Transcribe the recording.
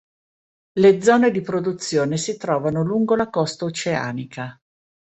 Le zone di produzione si trovano lungo la costa oceanica.